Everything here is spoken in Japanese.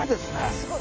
すごい！